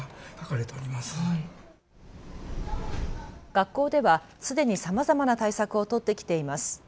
学校ではすでにさまざまな対策を取ってきています。